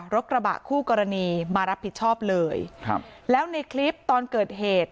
รถกระบะคู่กรณีมารับผิดชอบเลยครับแล้วในคลิปตอนเกิดเหตุ